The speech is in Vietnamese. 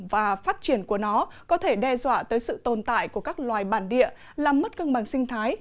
và phát triển của nó có thể đe dọa tới sự tồn tại của các loài bản địa làm mất cân bằng sinh thái